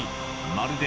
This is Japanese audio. まるで